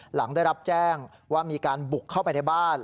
หลังได้รับแจ้งว่ามีการบุกเข้าไปในบ้าน